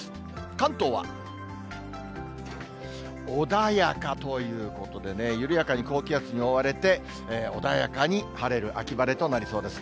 関東は穏やかということでね、緩やかに高気圧に覆われて、穏やかに晴れる秋晴れとなりそうです。